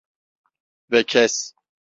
Ve kes!